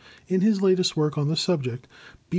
In his latest work on the subject B.